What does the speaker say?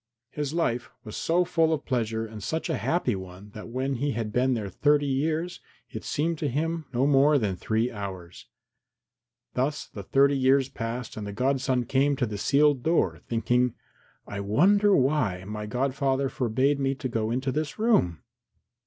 His life was so full of pleasure and such a happy one that when he had been there thirty years it seemed to him no more than three hours. Thus the thirty years passed and the godson came to the sealed door, thinking, "I wonder why my godfather forbade me to go into this room?